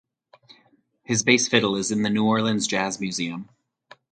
His bass fiddle is in the New Orleans Jazz Museum.